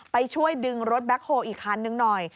ไปช่วยดึงรถแบ็คโฮลอีกคันนึงหน่อย